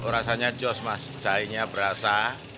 rasanya joss mas cahayanya berasa